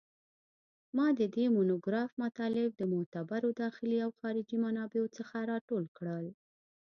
ما د دې مونوګراف مطالب د معتبرو داخلي او خارجي منابعو څخه راټول کړل